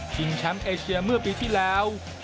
แชมป์เอเชียเมื่อปีที่แล้ว